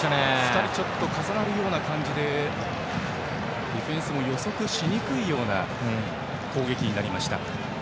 ２人重なる感じでディフェンスも予測しにくいような攻撃になりました。